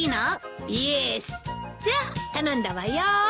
イエス！じゃあ頼んだわよ。